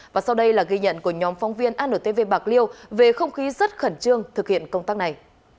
và sau đây là ghi nhận của nhóm phóng viên antv bạc liêu về không khí rất khẩn trương thực hiện công tác này